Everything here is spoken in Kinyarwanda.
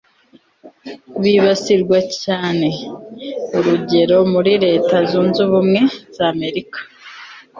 bibasirwa cyane Urugero muri Leta Zunze Ubumwe z Amerika